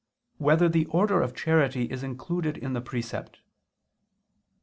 8] Whether the Order of Charity Is Included in the Precept?